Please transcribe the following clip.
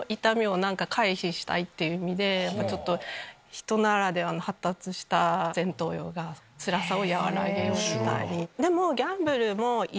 人ならではの発達した前頭葉がつらさを和らげる。